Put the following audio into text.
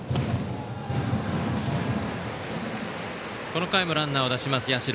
この回もランナーを出します社。